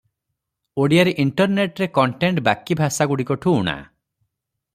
ଓଡ଼ିଆରେ ଇଣ୍ଟରନେଟରେ କଣ୍ଟେଣ୍ଟ ବାକି ଭାଷାଗୁଡ଼ିକଠୁ ଉଣା ।